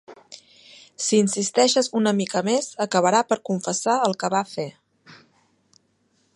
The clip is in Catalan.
Si insisteixes una mica més, acabarà per confessar el que va fer.